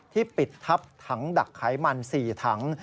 ปิดทับถังดักไขมัน๔ถัง